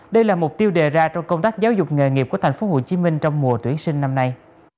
đây là mục tiêu đề ra trong công tác giáo dục nghề nghiệp của tp hcm trong mùa tuyển sinh năm nay